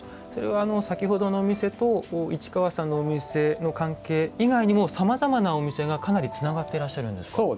それは先ほどのお店と市川さんのお店の関係以外にもさまざまなお店がかなりつながってらっしゃるんですか？